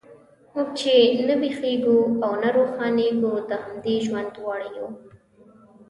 موږ چې نه ویښیږو او نه روښانیږو، د همدې ژوند وړ یو.